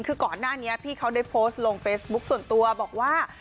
คือก่อนหน้านี้พี่เขาได้โพสต์ลงเฟซบุ๊คส่วนตัวบอกว่า